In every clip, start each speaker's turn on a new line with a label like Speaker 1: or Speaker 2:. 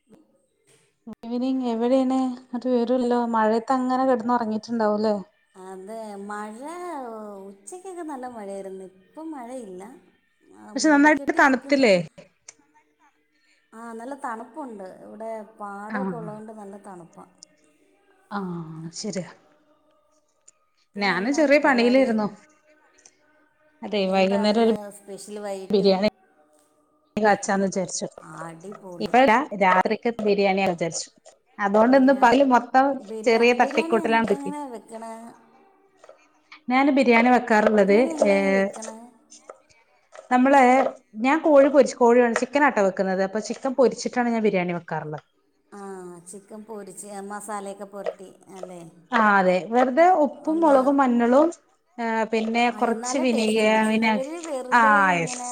Speaker 1: [inaudible]
Speaker 2: ഇനി എവിടേണ്. ഒരു വിവരൂല്ലല്ലോ മഴയത്ത ങ്ങനെ കെട്ന്ന് ഉറങ്ങീട്ടുണ്ടാവുംലേ.
Speaker 1: അതെ, മഴ ഉച്ചക്കൊക്കെ നല്ല മഴയായിര്ന്ന്. ഇപ്പം മഴയില്ല. ആഹ്
Speaker 2: പക്ഷെ നന്നായിട്ട്
Speaker 1: മൂടിക്കെട്ടി നിക്ക്ന്ന്.
Speaker 2: തണുത്തില്ലേ
Speaker 1: നന്നായ് തണ്ത്തില്ലേ. ആഹ് നല്ല തണുപ്പുണ്ട്, ഇവിടെ പാടൊക്കെ
Speaker 2: ആഹ്
Speaker 1: ഉള്ളതോണ്ട് നല്ല തണുപ്പാ.
Speaker 2: ആഹ് ശെര്യാ.
Speaker 1: പിന്നെ എന്നാ
Speaker 2: ചെറിയ
Speaker 1: പരിപാടി.
Speaker 2: പണിയിലായിരുന്നു അതെ വൈകുന്നേരം ഒരു
Speaker 1: എന്താണിന്ന് സ് സ്പെഷൽ വൈകീട്ട്?
Speaker 2: എ അച്ചന്ന് വിചാരിച്ചു. ഇപ്പഴല്ല രാത്രിക്ക് ബിരിയാണിയാ വിചാരിച്ചു അതോണ്ട്ന്ന്
Speaker 1: ബിരിയാ
Speaker 2: പണിമൊത്തം
Speaker 1: ബിരിയാ
Speaker 2: ചെറിയ
Speaker 1: ബിരിയാണി
Speaker 2: തട്ടിക്കൂട്ടലാ [unintelligible]
Speaker 1: എങ്ങനെയാണ് വെക്കണേ
Speaker 2: ഞാന് ബിരിയാണി വെക്കാറുള്ളത്
Speaker 1: ബിരിയാണി എങ്ങനെയാണ് നീ
Speaker 2: ഏഹ്.
Speaker 1: വെക്കണേ
Speaker 2: നമ്മള് ഞാം കോഴിപൊരിച്ച് കോഴിയാണ് ചിക്കനാട്ട വെ ക്കുന്നത് അപ്പൊ ചിക്കൻ പൊരിച്ചിട്ടാണ് ഞാൻ ബിരിയാണി വെക്കാറ്ള്ളത്.
Speaker 1: ആ ചിക്കൻ പൊരിച്ച് മസാലൊക്കെ പൊര്ട്ടി അല്ലേ?
Speaker 2: ആഹ് അതെ വെറുതെ ഉപ്പും
Speaker 1: ഒന്ന്
Speaker 2: മുളകും, മഞ്ഞളും, ആ പിന്നെ
Speaker 1: ആ
Speaker 2: കൊർച്ച്
Speaker 1: എന്നാലേ ടേസ്റ്റ്
Speaker 2: വിനയെ
Speaker 1: ഉള്ളൂ
Speaker 2: ആ യെസ്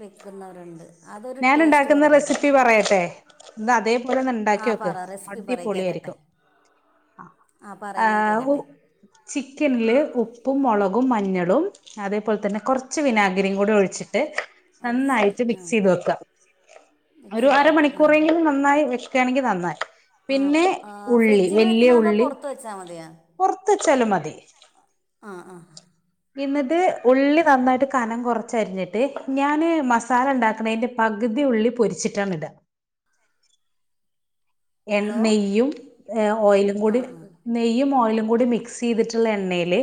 Speaker 1: വിക്കുന്നവരുണ്ട്.
Speaker 2: ഞൻ ഇണ്ടാക്ക്ന്ന റെസിപ്പി പറയട്ടെ. ഇന്ന് അതേപോലൊന്ന്
Speaker 1: ആ
Speaker 2: ഇണ്ടാക്കോക്ക്
Speaker 1: പറ റെസിപ്പി പറയ് കേൾക്കട്ടെ
Speaker 2: അടിപൊളിയായിര്ക്കും. അ.
Speaker 1: ആ പറയ് ഞാൻ
Speaker 2: ആഹ് ഹു
Speaker 1: കേൾക്കട്ടെ
Speaker 2: ചിക്കൻല് ഉപ്പും മുളകും മഞ്ഞളും അതേപോൽ തന്നെ കൊർ കൊർച്ച് വിനാഗിരിയും കൂടെ ഒഴിച്ചിട്ട്
Speaker 1: ഒഴിച്ചിട്ട്
Speaker 2: നന്നായിട്ട്
Speaker 1: ആ
Speaker 2: മിക്സ് ചെയ്ത് വെക്ക.
Speaker 1: മിക്സ്
Speaker 2: ഒരു
Speaker 1: ചെയ്ത് വെക്കുക
Speaker 2: അരമണിക്കൂറേലും നന്നായി വെക്കാണെങ്കിൽ നന്നായ്
Speaker 1: ആ
Speaker 2: പിന്നെ
Speaker 1: ആ
Speaker 2: ഉള്ളി
Speaker 1: ഫ്രിഡ്ജിൽ
Speaker 2: വലിയ
Speaker 1: വെക്കണോ അതോ
Speaker 2: ഉള്ളി
Speaker 1: പുറത്ത് വെച്ചാൽ മതിയോ
Speaker 2: പുറത്തച്ചാല മതി.
Speaker 1: ആഹ് ആഹ്
Speaker 2: പിന്നത് ഉള്ളി നന്നായിട്ട് കനം കുറച്ചരിഞ്ഞിട്ട് ഞാന്ൻമസാല ഉണ്ടാക്ക തിന്റെ പകുതി ഉള്ള പൊരിച്ചിട്ടാണ് ഇട എ
Speaker 1: ഹലോ
Speaker 2: നെയ്യും ഓയിലും
Speaker 1: ആ
Speaker 2: കൂടി
Speaker 1: ആ
Speaker 2: നെയ്യും ഓയിലും കൂടി മിക്സ് ചെയ്തിട്ടുള്ള എണ്ണയിൽ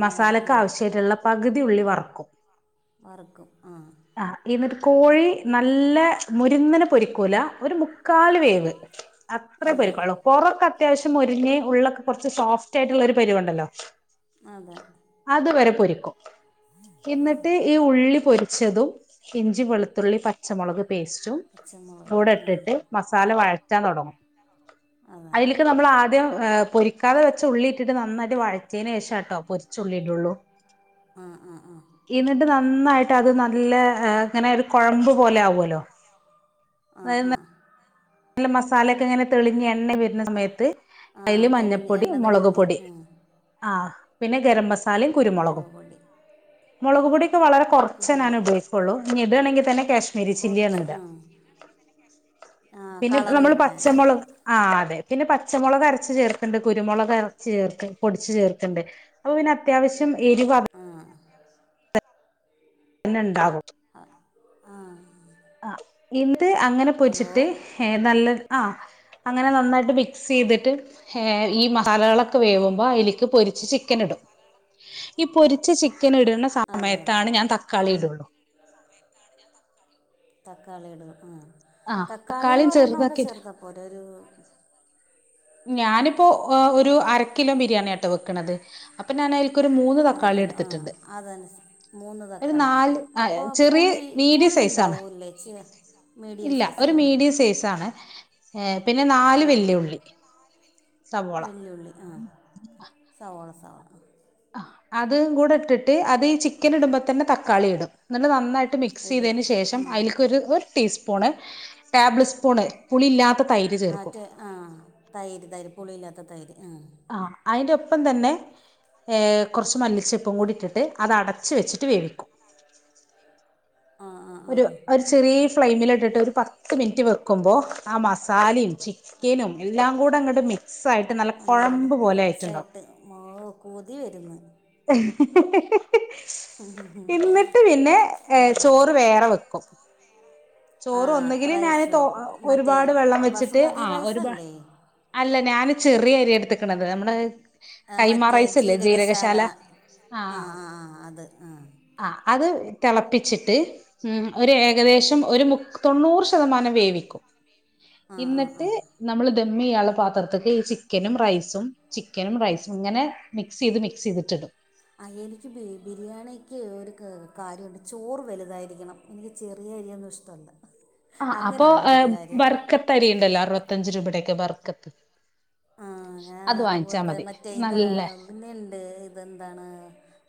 Speaker 1: എണ്ണയിൽ ആ
Speaker 2: മസാലക്ക് ആവശ്യമായിട്ടുള്ള പകുതി ഉള്ളി വറക്കും.
Speaker 1: വറക്കും ആഹ്
Speaker 2: ആ എന്നിട്ട്കോഴി നല്ല മുരുന്നിന പൊരിക്കൂല ഒരു മുക്കാല് വേവ് അത്രേ
Speaker 1: അതെ
Speaker 2: പൊരുക്കള്ളൂ പുറൊക്കെ അത്യാവശ്യം മൊരിഞ്ഞ ഉള്ളൊക്കെ കുറച്ച് സോഫ്റ്റ് റ്റ്ആയിട്ടുള്ള ഒരു പരിവുണ്ടല്ലോ
Speaker 1: അതെ
Speaker 2: അതുവരെ പൊരിക്കും എന്നിട്ട് ഈ ഉള്ളി പൊ രിച്ചതും ഇഞ്ചി വെളുത്തുള്ളി പച്ചമുളക് പേസ്റ്റും
Speaker 1: പച്ചമുളക്
Speaker 2: ടെട്ടിട്ട് മസാല വഴറ്റാൻ തുടങ്ങും
Speaker 1: ആ അതെ
Speaker 2: അതില് ക്ക് നമ്മൾ ആദ്യം പൊരിക്കാതെ വെച്ച ഉള്ളിട്ടിട്ട്ന്നായിട്ട് വഴച്ചതിന് ശേഷം കേട്ടോ പൊരിച്ച ഉള്ളിട്ടള്ളു [inaudible]
Speaker 1: ആഹ് ആഹ് ആഹ്
Speaker 2: എന്നിട്ട് നന്നായിട്ട് അത് നല്ല ഇങ്ങനെ ഒരു കുഴമ്പ് പോലെ ആവുമല്ലോ
Speaker 1: ആഹ്
Speaker 2: അതായത്
Speaker 1: ആഹ്
Speaker 2: നല്ല മസാലയൊക്കെ ഇങ്ങനെ തെളിഞ്ഞ് എണ്ണ വരുന്ന സമയത്ത്
Speaker 1: ആ
Speaker 2: അതിൽ
Speaker 1: തെളിഞ്ഞ്
Speaker 2: മഞ്ഞപ്പൊടി
Speaker 1: എണ്ണ
Speaker 2: മുളക്
Speaker 1: തെളിഞ്ഞ്
Speaker 2: പൊടി
Speaker 1: ആ
Speaker 2: ആഹ് പിന്നെ ഗരം മസാലയും കുരുമുളകും
Speaker 1: മുളക് പൊടി
Speaker 2: മുളക് പൊടിയൊക്കെ വളരെ കുറച്ച് ഞാൻ
Speaker 1: കുരുമുളക്
Speaker 2: ഉപയോഗിക്കുള്ളൂ ഇനി ഇടാണെങ്കിൽ തന്നെ കാശ്മീരി ചില്ലിയാണ്
Speaker 1: കുറച്ച്
Speaker 2: ഇടാ
Speaker 1: ആ ആ
Speaker 2: പിന്നെ
Speaker 1: കളറ്
Speaker 2: നമ്മള്
Speaker 1: കിട്ടാൻ
Speaker 2: പച്ചമുളക് ആഹ് അതെ പിന്നെ പച്ചമുളക് അരച്ച് ചേർക്കണ്ട് കുരുമുളക് അരച്ച് ചേർക്ക പൊടിച്ചു ചേർക്കണ്ട് അപ്പൊ പിന്നെ അത്യാവശ്യം എരിവാ
Speaker 1: ആഹ്
Speaker 2: പിന്നെ ഉണ്ടാവും
Speaker 1: ആഹ്
Speaker 2: ആഹ് ഇത് അങ്ങനെ പൊരിച്ചിട്ട് ഏഹ് നല്ല ആഹ് അങ്ങനെ നന്നായിട്ട് മിക്സ് ചെയ്തിട്ട് ഏഹ് ഈ മസാലകളൊക്കെ വേവുമ്പോ അതിലേക്ക് പൊരിച്ച് ചിക്കൻ ഇടും ഈ പൊരിച്ച ചിക്കൻ ഇടുന്ന സമയത്താണ് ഞാൻ തക്കാളി ഇടുള്ളൂ
Speaker 1: സമയത്താണ് ഞാൻ തക്കാളി തക്കാളി ഇടു
Speaker 2: ആഹ്
Speaker 1: തക്കാളിയും ഒരെണ്ണമെ ഒക്കെ
Speaker 2: ചെറുതാക്കിട്ട്
Speaker 1: ചേർത്താപ്പോര ഒരു
Speaker 2: ഞാനിപ്പോ ഒരു അര കിലോ ബിരിയാണിട്ടോ വെക്ക്ണന്നത് അപ്പൊ ഞാന
Speaker 1: അര കിലോ ആഹ് അതന്ന മൂന്ന്
Speaker 2: ഒരു
Speaker 1: തക്കാളി
Speaker 2: നാല് ആ
Speaker 1: അപ്പൊ
Speaker 2: ചെറിയ
Speaker 1: പുളി
Speaker 2: മീഡിയം സൈസാണ്
Speaker 1: പുളിണ്ടാവൂല്ലേ ചീ
Speaker 2: ഇല്ല ഒരു മീഡിയം സൈസ് ആണ് ഏഹ് പിന്നെ
Speaker 1: ആ
Speaker 2: നാല്
Speaker 1: ആ
Speaker 2: വെല്ലിയ ഉള്ളി
Speaker 1: വെല്ലുള്ളി ആഹ് സവാള സവാള
Speaker 2: ആഹ് അതും കൂടെ ഇട്ടിട്ട് അത് ഈ ചിക്കൻ ഇടുമ്പോ തന്നെ തക്കാളി ഇടും എന്നിട്ട് നന്നായിട്ട് മിക്സ്
Speaker 1: ആ ഇടും
Speaker 2: ചെയ്തതിന്
Speaker 1: ആ
Speaker 2: ശേഷം ആയിലേക്ക് ഒരു ഒരുടീസ്പൂൺ ടേബിൾ സ്പൂൺ പുളിയില്ലാത്ത തൈര് ചേർക്കും
Speaker 1: മറ്റേ ആഹ് തൈര് തൈര് പുളിയില്ലാത്ത തൈര് ആഹ്
Speaker 2: ആഹ് അയിന്റെ ഒപ്പം തന്നെ ഏഹ് കുറച്ച് മല്ലിച്ചെപ്പും കൂടി ഇട്ടിട്ട് അത് അടച്ച് വെച്ചിട്ട് വേവിക്കും
Speaker 1: [unintelligible] ആ ആ ആ
Speaker 2: ഒരു ഒരു
Speaker 1: ആ
Speaker 2: ചെറിയ ഫ്ലെയിമിലിട്ടിട്ട് ഒരു പത്ത് മിനിറ്റ് വെക്കുമ്പോൾ ആഹ് മസാലയും ചിക്ക നും എല്ലാം കൂടെ അങ്ങോട്ട് മിക്സ് ആയിട്ട് നല്ല
Speaker 1: എല്ലാം കൂടെ
Speaker 2: കുഴമ്പ് പോലെ ആയിട്ടുണ്ടാവും
Speaker 1: മിക്സായിട്ട് മോ കൊതി വരുന്ന്
Speaker 2: എന്നിട്ട് പിന്നെ ചോറ് വേറെ വെക്കും
Speaker 1: ആ
Speaker 2: ചോറ് ഒന്നെങ്കിലും ഞാന്
Speaker 1: റൈസ്
Speaker 2: തോ
Speaker 1: മറ്റേ
Speaker 2: ഒരുപാട് വെള്ളം വെച്ചിട്ട്
Speaker 1: ബസുമതി
Speaker 2: ആഹ് ഒരുപാ
Speaker 1: റൈസല്ലേ
Speaker 2: അല്ല ഞാന് ചെറിയ അരി എടുത്തക്ക്ണത് നമ്മുടെ
Speaker 1: ആഹ്
Speaker 2: കൈമാ
Speaker 1: മറ്റേ
Speaker 2: റൈസ് ഇല്ലേ
Speaker 1: ജീരകശാല ആഹ് ആഹ് ആഹ് അത് ആഹ്
Speaker 2: ആഹ് അത് തിളപ്പിച്ചിട്ട് ഉം ഒരു ഏകദേശം ഒരു മു തൊണ്ണൂ ശതമാനം
Speaker 1: ആ ആ ആ
Speaker 2: വേവിക്കിട്ട് നമ്മ ഇയാളുള്ള പാത്രത്ത്ക്ക് ഈ ചിക്കനും റൈസും ചിക്കനും റൈസും ഇങ്ങനെ മിക്സ് ചെയ്ത് മിക്സ് ചെയ്തിട്ടിടും
Speaker 1: ആഹ് എനിക്ക് ബിരിയാണിക്ക് ഒരു കാര്യമുണ്ട് ചോറ് വലുതായിരിക്കണം എനിക്ക് ചെറിയ അരിയൊന്നും ഇഷ്ടമല്ല
Speaker 2: ആഹ് അപ്പൊ
Speaker 1: അങ്ങനെയുണ്ട് ഒരു കാര്യം
Speaker 2: വർക്കത്തരിയുണ്ടല്ലോ അറുപത്തഞ്ച് രൂപയുടെൊക്കെ വർക്കത്ത്
Speaker 1: ആഹ് ഞാൻ അതുപോലതന്നെ മറ്റേ ഇത്
Speaker 2: നല്ല
Speaker 1: പിന്നെയുണ്ട് ഇതെന്താണ്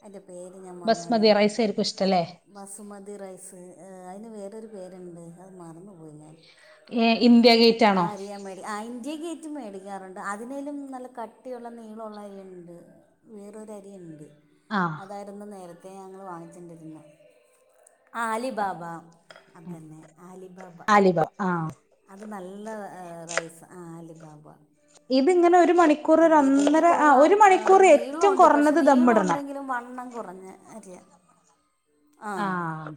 Speaker 1: അയിന്റെ പേര് ഞാൻ
Speaker 2: ബസ്മതി
Speaker 1: മറന്നുപോയല്ലോ
Speaker 2: റൈസ് ആയിരിക്കും ഇഷ്ടല്ലേ
Speaker 1: ബസുമതി റൈസ് അതിന് വേറൊരു പേരുണ്ട് അത് മറന്നു പോയി ഞാൻ
Speaker 2: ഏഹ് ഇന്ത്യഗേറ്റ്
Speaker 1: ആഹ് അരിയാമേൽ ആഹ് ഇന്ത്യ ഗേറ്റ് മേടിക്കാറുണ്ട് അതിനേലും നല്ല കട്ടിയുള്ള നീളവൊള്ള അരിഉണ്ട് വേറൊര് അരിയുണ്ട്
Speaker 2: ആ
Speaker 1: അതായിരുന്നു നേരത്തെ ഞങ്ങള് വാങ്ങിച്ചോണ്ടിരുന്നത് ആലിബാബ അതന്നെ ആലിബാബ
Speaker 2: ഇതാ ആഹ്
Speaker 1: അത് നല്ല റൈസ് ആഹ് അലിബാബ
Speaker 2: ഇതിങ്ങനെ ഒരു മണി
Speaker 1: ഇന്ത്യ ഗേറ്റ് കൊള്ളാം നീളം
Speaker 2: ഏറ്റവും
Speaker 1: ഉണ്ട് പക്ഷെ
Speaker 2: കുറഞ്ഞത്
Speaker 1: നീളം
Speaker 2: ദമ്മിടണം
Speaker 1: ഉണ്ടെങ്കിലും വണ്ണം കുറഞ്ഞ അരിയാ
Speaker 2: ആഹ്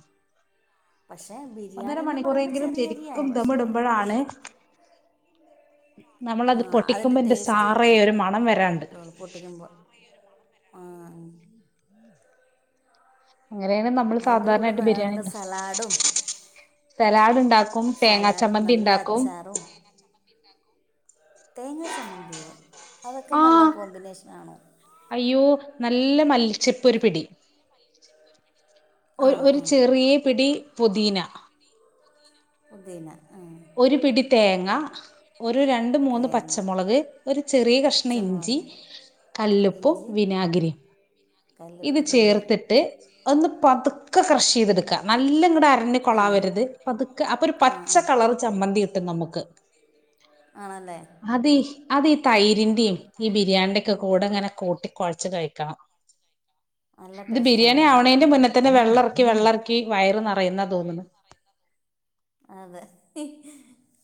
Speaker 1: പക്ഷേ ബിരിയാണിന്ന് പറയുമ്പോൾ
Speaker 2: മണിക്കൂറെങ്കിലും ശരിക്കും
Speaker 1: ചെറിയരിയാണ് പക്ഷേ
Speaker 2: ദമ്മിടുമ്പോഴാണ്
Speaker 1: എനിക്ക്
Speaker 2: നമ്മളത്
Speaker 1: അതിൻ്റെ
Speaker 2: പൊട്ടിക്കുമ്പോന്റെ സാറെ ഒരു മണം വരാറുണ്ട്
Speaker 1: പൊട്ടിക്കുമ്പോ ആഹ്
Speaker 2: അങ്ങനെയാണ് നമ്മൾ
Speaker 1: അതിന്റെ കൂടെ
Speaker 2: സാധാരണയായിട്ട് ബിരിയാണി
Speaker 1: വേറൊള്ള
Speaker 2: ഇണ്ട
Speaker 1: സലാഡും
Speaker 2: സലാഡ് ഇണ്ടാക്കും തേങ്ങാ
Speaker 1: സലാഡും
Speaker 2: ചമ്മന്തി
Speaker 1: നല്ല
Speaker 2: ഇണ്ടാക്കും
Speaker 1: അച്ചാറും തേങ്ങാ ചമ്മന്തിയോ അതൊക്കെ നല്ല
Speaker 2: ആഹ്
Speaker 1: കോമ്പിനേഷനാണോ
Speaker 2: അയ്യോ നല്ല മൽച്ചിപ്പോ ഒരു പിടി
Speaker 1: [unintelligible]
Speaker 2: ഒരു ഒരു
Speaker 1: ആ
Speaker 2: ചെറിയ പിടി പുദീന
Speaker 1: പുതിന ആഹ്
Speaker 2: ഒരു പിടി തേങ്ങ ഒരു രണ്ട് മൂന്ന്
Speaker 1: തേങ്ങ
Speaker 2: പച്ചമുളക് ഒരു ചെറിയ കഷ്ണം ഇഞ്ചി
Speaker 1: പച്ചമുളക്
Speaker 2: കല്ലുപ്പും
Speaker 1: ഇഞ്ചി
Speaker 2: വിനാഗിരി ഇത്
Speaker 1: കല്ലുപ്പ് വിനാഗിരി
Speaker 2: ചേർത്തിട്ട് ഒന്ന് പതുക്കെ ക്രഷ് ചെയ്തെടുക്കാ നല്ല ഇങ്ങട് അര
Speaker 1: ആ
Speaker 2: കൊളാവരുത് പതുക്കെ അപ്പൊ ഒരു
Speaker 1: ആ
Speaker 2: പച്ച
Speaker 1: ആ
Speaker 2: കളർ ചമ്മന്തി കിട്ടും നമുക്ക്
Speaker 1: ആണല്ലേ
Speaker 2: അതീ അതീ ഈ തൈരിന്റെയും ഈ ബിരിയാണിടെംഒക്കെ കൂടെ ഇങ്ങനെ കൂട്ടി കുഴച്ച് കഴിക്കണം
Speaker 1: നല്ല
Speaker 2: ഇത്
Speaker 1: ടേസ്റ്റ്
Speaker 2: ബിരിയാണി
Speaker 1: ആണല്ലേ
Speaker 2: ആവണേന്റെ മുന്ന തന്നെ വെള്ളെറക്കി വെള്ളെറക്കി വയറ് നിറയുന്നാ തോന്നുന്നെ
Speaker 1: അതെ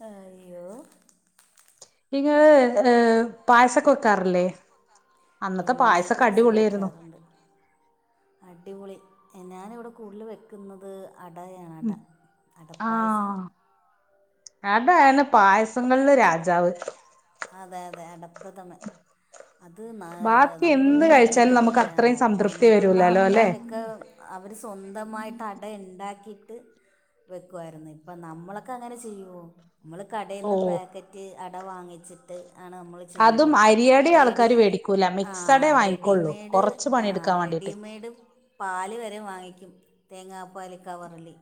Speaker 1: അയ്യോ
Speaker 2: എനിക്ക് പായസൊക്കെ ഒ
Speaker 1: പിന്നെ പായസൊക്കെ വയ്ക്കാറുണ്ട് അടിപൊളി ഞാനിവിടെ കൂടുതൽ വെക്കുന്നത് അടയാണ് അട അടപ്പായസം
Speaker 2: അടയാണ്‌ പായസങ്ങളില് രാജാവ്.
Speaker 1: അതെ അതെ അടപ്രഥമൻ. അത്
Speaker 2: ബാക്കി
Speaker 1: നമ്മള്
Speaker 2: എന്ത്
Speaker 1: എന്താ
Speaker 2: കഴിച്ചാലും നമുക്ക്
Speaker 1: പറയാ
Speaker 2: അത്രയും സംതൃപ്തി
Speaker 1: പണ്ടുള്ള
Speaker 2: വരൂലല്ലോ അല്ലെ
Speaker 1: ആൾക്കാരൊ ഒക്കെ അവര് സ്വന്തമായിട്ട് അട ഉണ്ടാക്കിട്ട്. വെക്കുമായിരുന്നു ഇപ്പം നമ്മളൊക്കെ അങ്ങനെ ചെയ്യോ നമ്മൾ കടേന്ന്
Speaker 2: ഓഹ്
Speaker 1: പാക്കറ്റ് അട വാങ്ങിച്ച്. ട്ട് ആണ് നമ്മൾ
Speaker 2: അതും
Speaker 1: ചെയുന്നത്
Speaker 2: അരിയട ആൾക്കാര്
Speaker 1: റെഡിമേഡ്.
Speaker 2: വേടിക്കൂല മിക്സഡേ
Speaker 1: ആഹ്
Speaker 2: വാങ്ങിക്കൊള്ളൂ കൊറച്ച് പണിയെടുക്കാൻ വേണ്ടിട്ട്
Speaker 1: റെഡിമെയ്ഡ് പാസ് വരെ വാങ്ങിക്കും തേങ്ങാപാല് കവറില്.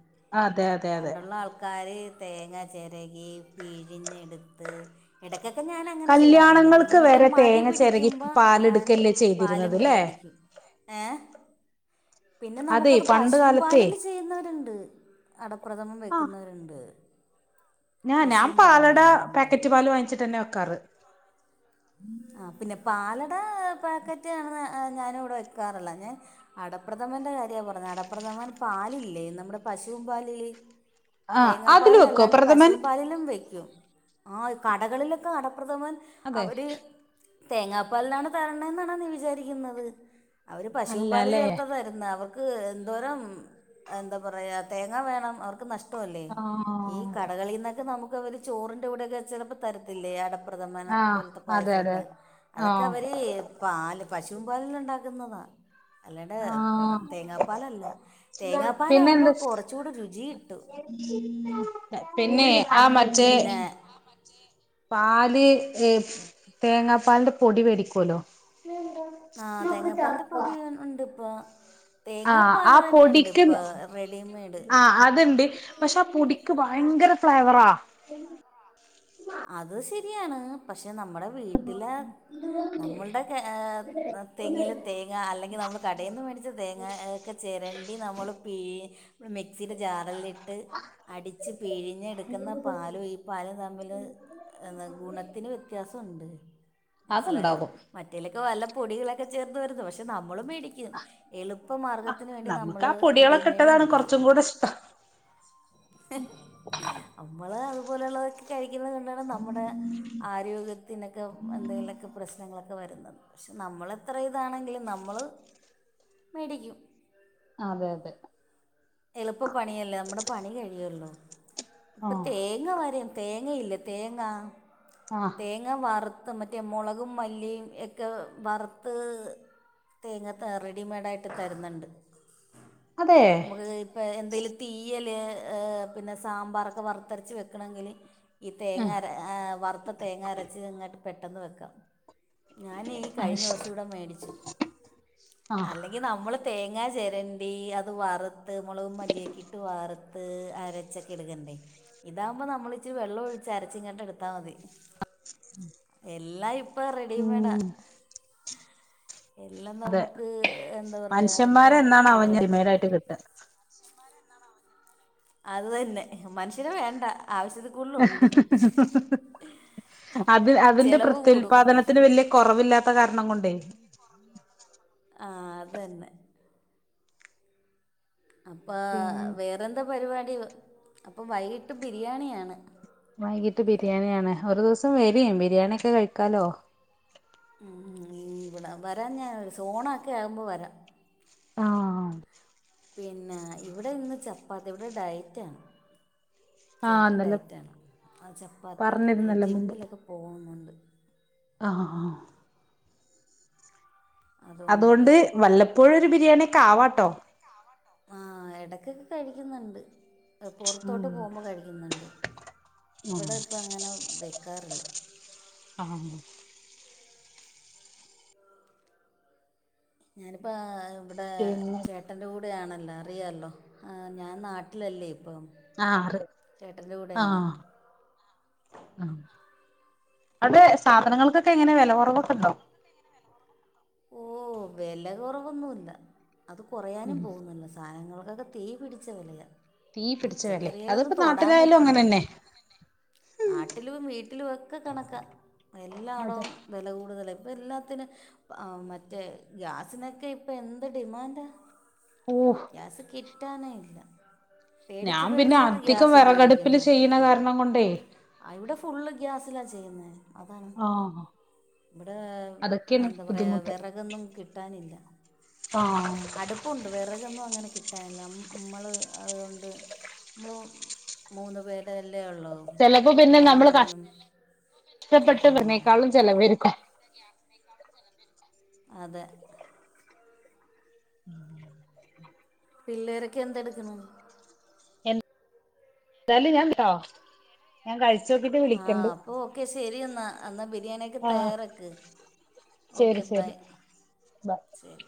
Speaker 2: അതെ അതെ അതെ
Speaker 1: പണ്ടുള്ള ആൾക്കാര് തേങ്ങ ചെരകി പിഴിഞ്ഞെടുത്ത് ഇടയ്ക്കൊക്കെ ഞാനങ്ങനെ ചെയ്യാറുണ്ട് പിന്നെ
Speaker 2: കല്യാണങ്ങൾക്ക്
Speaker 1: എനിക്ക്
Speaker 2: വരെ
Speaker 1: മടി
Speaker 2: തേങ്ങ ചിരകി
Speaker 1: പിടിക്കുമ്പോ ഞാൻ
Speaker 2: പാലെടുക്കല്ലേ
Speaker 1: പാലും
Speaker 2: ചെയ്തിരുന്നത് ല്ലേ
Speaker 1: മേടി ക്കും ഏഹ് പിന്നെ
Speaker 2: അതെ
Speaker 1: നമുക്കത്
Speaker 2: പണ്ട്
Speaker 1: പശും
Speaker 2: കാലത്തേ
Speaker 1: പാലിൽ ചെയ്യുന്നവരുണ്ട്. അടപ്രഥമൻ
Speaker 2: ആ
Speaker 1: വെക്കുന്നവരുണ്ട്.
Speaker 2: ഞാൻ ഞാൻ
Speaker 1: പശുവും
Speaker 2: പാലട
Speaker 1: പാലില്ലേ നമ്മുടെ
Speaker 2: പേക്കറ്റ് പാല് വാങ്ങിച്ട്ടന്നെ വെക്കാറ്.
Speaker 1: ആഹ് പിന്നെ പാലട പാക്കറ്റ് ആണ് ഞാന് ഇവിടെ വക്കാറുള്ളത്. അടപ്രഥമന്റെ കാര്യ പറഞ് അടപ്രഥമന്റെ പാലില്ലേ നമ്മുടെ പശുവിൻ പാലില്.
Speaker 2: ആ
Speaker 1: തേങ്ങാ പാലി
Speaker 2: അതില് വെക്കോ
Speaker 1: ലല്ലാണ്ട്
Speaker 2: പ്രഥമൻ
Speaker 1: പശുപാലിലും വെക്കും ആ കടകളിലൊക്കെ കടപ്രഥമൻ.
Speaker 2: അതെ.
Speaker 1: തേങ്ങാപ്പാലിനാണ് തരണെന്നാണ നീ വിചാരിക്കുന്നത് അവര് പശുവും പാല്
Speaker 2: അല്ലല്ലേ
Speaker 1: ചേർത്ത തരുന്നെ അവർ എന്തോര എന്താ പറയാ തേങ്ങ വേണം അവർക്ക് നഷ് ഷ്ടല്ലേ
Speaker 2: ആ
Speaker 1: ഈ കടകളിന്നൊക്കെ നമുക്ക് അവര് ചോറിന്റെ കൂടെയൊക്കെ ചെലപ്പോ. തരത്തില്ലേ അടപ്രഥമന
Speaker 2: ആ
Speaker 1: പോലത്തെ
Speaker 2: അതെ അതെ
Speaker 1: പായസമൊക്കെ
Speaker 2: ആ
Speaker 1: അതൊക്കെ അവര്. പാല് പശുവും പാലില് ഉണ്ടാക്കുന്നതാ. അല്ലാണ്ട്
Speaker 2: ആ
Speaker 1: തേങ്ങാപ്പാലല്ല തേങ്ങാപ്പാലകുമ്പോ
Speaker 2: പിന്നെന്ത്
Speaker 1: കുറചൂടെ രുചി കിട്ടു.
Speaker 2: പിന്നെ ആ മറ്റെ.
Speaker 1: പിന്നെ
Speaker 2: പാല് ഏഹ് തേങ്ങാ പാലിന്റെ പൊടി മേടിക്കല്ലോ.
Speaker 1: ആഹ് തേങ്ങാപ്പാലിന്റെ പൊടി ഉണ്ട് ഇപ്പൊ.
Speaker 2: ആഹ് ആഹ് പൊടിക്ക്
Speaker 1: റെഡിമെയ്ഡ്
Speaker 2: ആഹ് അത്ണ്ട്. പക്ഷെ ആ പൊടിക്ക് ഭയങ്കര ഫ്ലേവറാ.
Speaker 1: അത് ശരിയാണ് പക്ഷെ നമ്മുടെ വീട്ടിലെ നമ്മളുടെ. തെങ്ങില് തേങ്ങ അല്ലെങ്കിൽ നമ്മള് കടയിൽ നിന്ന് മേടിച്ച തേങ്ങ ഒക്കെ ചിരണ്ടി നമ്മൾ പി ഇ മിക്സുടെ ജാറില്ട്ട്. അടിച്ച് പിഴിഞ്ഞെടുക്കുന്ന പാലും ഈ പാലും തമ്മില്. എന്താ ഗുണത്തിന് വ്യത്യാസണ്ട് മനസിലായോ.
Speaker 2: അത്ണ്ടാകും
Speaker 1: മറ്റേലൊക്കെ വല്ല പൊടികളൊക്കെ ചേർത് വരുന്നു പക്ഷെ നമ്മള്മേടിക്കും. എളുപ്പ
Speaker 2: ആഹ്
Speaker 1: മാർഗത്തിന് വേണ്ടി
Speaker 2: നമുക്ക്
Speaker 1: നമ്മള്
Speaker 2: ആ പൊടികളൊക്കെ
Speaker 1: റെഡിമെയ്ഡ്
Speaker 2: ഇട്ടതാണ്
Speaker 1: മേടിക്കും.
Speaker 2: കുറച്ചും കൂടെ ഇഷ്ടം
Speaker 1: നമ്മള് അതുപോലെയുള്ളതൊക്കെ. കഴിക്കുന്നത് കൊണ്ടാണ് നമ്മുടെ ആരോഗ്യത്തിനൊക്കെ എന്തെങ്കിലുമൊക്കെ പ്രശ്നങ്ങളൊക്കെ വരുന്നത്. പക്ഷെ നമ്മൾെത്ര ഇതാണെങ്കിലും നമ്മള് മേടിക്കും.
Speaker 2: അതെ അതെ.
Speaker 1: എളുപ്പ പണിയല്ലേ നമ്മുടെ പണി കഴിയല്ലോ
Speaker 2: ആഹ്
Speaker 1: ഇപ്പൊേതേ. വരം തേങ്ങ ഇല്ലെ തേങ്ങാ.
Speaker 2: ആഹ്
Speaker 1: തേങ്ങ വറുത്ത് മറ്റേ മുളകും മല്ലിയും എക്കെ വറുത്ത്. തേങ്ങ റെഡിമെയ്ഡ ആയിട്ട് തരുന്നുണ്ട്.
Speaker 2: അതെ.
Speaker 1: ഇപ്പ എന്തേലും തീയല് പിന്നെ സാമ്പാറൊക്കെ വറുത്തെരച്ച് വെക്കണെങ്കില്. ഈ തേങ്ങ
Speaker 2: ആഹ്
Speaker 1: അര വറുത്ത തേങ്ങ അരച് ഇങ്ങോട്ട് പെട്ടെന്ന് വെക്കാം. ഞൻ ഈ
Speaker 2: അത്
Speaker 1: കഴിഞ്ഞ ദിവസം
Speaker 2: ശരി
Speaker 1: ഇവിട മേടിച്ചു
Speaker 2: ആഹ്
Speaker 1: അല്ലെ. ഇ നമ്മൾ തേങ്ങാ ചെരണ്ടി അത് വറുത്ത് മെള്കും മല്ലിഒക്കി ഇട്ട് വറു പ്പ് അരച്ചക്കെ എട്‌ക്കണ്ടേ ഇതാവുമ്പോ നമ്മള് ഇച്ചി വെള്ളോഴിച്ച് അരച്ച്ങ്ങാണ്ട് എടുത്താമതി എല്ലായിപ്പ റെഡിമെഡാ
Speaker 2: ഉം
Speaker 1: എല്ലാം
Speaker 2: അതെ
Speaker 1: നമുക്ക് എന്താ പറയാ ഇപ്പ
Speaker 2: മനുഷ്യന്മാരെ എന്നാണാവോ ഇനി
Speaker 1: കടകളി കിട്ടും
Speaker 2: [inaudible]
Speaker 1: [inaudible] അത് തന്നെ മനുഷ്യരെ വേണ്ട ആവശ്യത്തി
Speaker 2: അത് അതിന്റെ
Speaker 1: ചിലവ് കൂടും
Speaker 2: പ്രത്യുൽപാദന ത്തിന് വല്ല്യ കുറവില്ലാത്ത കാരണം കൊണ്ടേ.
Speaker 1: [inaudible] ആഹ് അതന്നെ. അപ്പാ
Speaker 2: പിന്നെ
Speaker 1: വേറെന്താ പരിപാടി അപ്പൊ വൈകിട്ട് ബിരിയാണിയാണ്
Speaker 2: വൈകീട്ട് ബിരിയാണിയാണ് ഒരു ദിവസം വരീ ബിരിയാണിയൊക്കെ കഴിക്കാലോ
Speaker 1: ഉം ഇവിട വരാംഞാ സോണോക്കെ ആകുമ്പ വരാം.
Speaker 2: ആഹ്.
Speaker 1: പിന്നാ ഇവിടെ ഇന്ന് ചപ്പാത്തി ഇവിട ഡയറ്റാണ്.
Speaker 2: ആഹ്
Speaker 1: ചേട്ടൻ
Speaker 2: ഇന്നലെ
Speaker 1: ഡയറ്റാണ് ആ ചപ്പാത്തി എ
Speaker 2: പറഞ്ഞിരുന്നല്ലോ
Speaker 1: ജിമ്മിലൊക്ക പോവുന്നുണ്ട്.
Speaker 2: അഹഹാ. അതുകൊണ്ട്
Speaker 1: അതുകൊണ്ടിട്ട്
Speaker 2: വല്ലപ്പോഴൊര് ബിരിയാണിക്കെ ആവാട്ടോ.
Speaker 1: ആവട്ടോ ആഹ് എടക്കെക്കെ കഴിക്കുന്നുണ്ട്. എ പൊർത്തോട്ട്
Speaker 2: ഉം
Speaker 1: പോകുമ്പ കഴിക്ക്യുന്നുണ്ട് ഇവിടെ ഇപ്പങ്ങന വെക്കാറില്ല.
Speaker 2: ആഹ്.
Speaker 1: ഞാനിപ്പാ ഇവിടെ
Speaker 2: പിന്നെ
Speaker 1: ചേട്ട ട്ടൻ്റെ കൂടെയാണല്ലോ അറിയാല്ലോ ആ ഞാൻ നാട്ടിലല്ലെ ഇപ്പം.
Speaker 2: ആഹ് റ്
Speaker 1: ചേട്ടൻ്റെ
Speaker 2: ആഹ്.
Speaker 1: കൂടെയാണ്
Speaker 2: അഹ് അവിടെ സാധനങ്ങൾക്കെക്കെ എങ്ങനെ വെല കൊറവൊക്കെണ്ടോ.
Speaker 1: ഓഹ് വെലകൊറവൊന്നൂല്ല അത് കൊറയാനും
Speaker 2: ഉം
Speaker 1: പോവുന്നില്ല സാനങ്ങൾക്കൊക്കെ തീ പിടിച്ച വെലയാ.
Speaker 2: തീ പിടിച്ച വിലേ
Speaker 1: പച്ചക്കറിയെലൊന്നും
Speaker 2: അതിപ്പോ
Speaker 1: തൊടാ
Speaker 2: നാട്ടിലായാലും
Speaker 1: പറ്റില്ല ഇവിടായാലും അങ്ങനന്നെ.
Speaker 2: അങ്ങനെന്നെ
Speaker 1: നാട്ടിലും വീട്ടിലു ഒക്ക കണക്ക
Speaker 2: അതെ
Speaker 1: എല്ലാടവും. വെല കൂടുതല പ്പ എല്ലാത്തിന്. ആഹ് മറ്റേ ഗ്യാസിനെക്കെ ഇപ്പ എന്ത് ഡിമാൻഡാ
Speaker 2: ഓഹ്
Speaker 1: ഗ്യാസ് കി ട്ടാനെ ഇല്ല പേടിച്ച്
Speaker 2: ഞാൻ പിന്നെ
Speaker 1: പേടിച്ചാണ്
Speaker 2: അധികം
Speaker 1: ഗ്യാസ്
Speaker 2: വിറകടുപ്പില്
Speaker 1: ഉപയോഗിക്കുന്നെ
Speaker 2: ചെയ്യണ കാരണം കൊണ്ടേ
Speaker 1: [inaudible] അ ഇവിട ഫുള്ള് ഗ്യാസിലാ ചെയ്യുന്നെ. അതാണ്
Speaker 2: ആഹ്
Speaker 1: വടെ
Speaker 2: അതൊക്കെയാണ്
Speaker 1: എന്താ പ റയ
Speaker 2: ബുദ്ധിമുട്ട്
Speaker 1: വെറകൊന്നും കിട്ടാനില്ല
Speaker 2: ആ
Speaker 1: അടു പ്പുണ്ട് വെറകൊന്നും അങ്ങന കിട്ടാൻല നമ്മ് മ്മള് അത്കൊണ്ട് മ്മള് മൂന്ന് പേരല്ലെ ഒള്ളൂ.
Speaker 2: ചെലവ് പിന്നെ നമ്മള് കഷ് ടപ്പെട്ട് കൊട്‌ന്നെക്കാളും ചെലവെരുക്കും.
Speaker 1: ഇനി [inaudible] ക്കാളും. ചെലവെര്ക്കും അതെ.
Speaker 2: [inaudible]
Speaker 1: പിള്ളേരൊക്കെ എന്തെടുക്ക്ണു.
Speaker 2: ന്താലു ഞാണ്ട്ട്ടോ. ഞാൻ കഴിച്ചോക്കിട്ട്.
Speaker 1: ആഹ് അപ്പൊ ഓക്കെ ശരി എന്നാ അന്നാ ബിരിയാണിയൊക്കെ
Speaker 2: ആഹ്
Speaker 1: തയ്യാറാക്ക്.
Speaker 2: ശരി
Speaker 1: ഓക്കെ
Speaker 2: ശരി
Speaker 1: ബൈ
Speaker 2: ബ
Speaker 1: ശരി.